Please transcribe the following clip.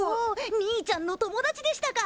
兄ちゃんの友達でしたか。